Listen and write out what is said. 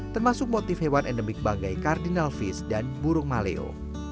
termasuk motif hewan endemik banggai kardinal fish dan burung maleo